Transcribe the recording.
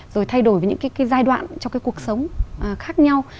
rồi thay đổi với những cái giai đoạn trong cái cuộc sống khác nhau